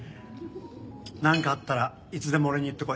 なんかあったらいつでも俺に言ってこい。